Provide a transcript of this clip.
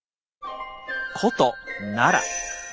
古都奈良。